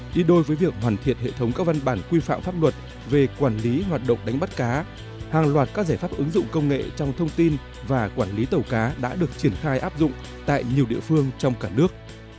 đi đôi với việc hoàn thiện hệ thống các văn bản quy phạm pháp luật về quản lý hoạt động đánh bắt cá hàng loạt các giải pháp ứng dụng công nghệ trong thông tin và quản lý tàu cá đã được triển khai áp dụng tại nhiều địa phương trong cả nước